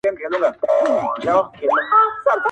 سو بېهوښه هغه دم يې زکندن سو!